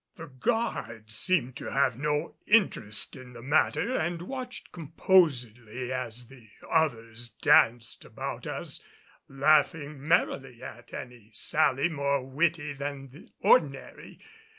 The guards seemed to have no interest in the matter and watched composedly as the others danced about us, laughing merrily at any sally more witty than ordinary.